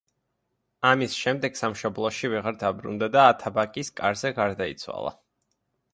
ამის შემდეგ სამშობლოში ვეღარ დაბრუნდა და ათაბაგის კარზე გარდაიცვალა.